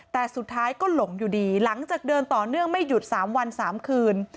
แต่สุดท้ายก็หลงอยู่ดีหลังจากเดินต่อเนื่องไม่หยุด๓วัน๓คืน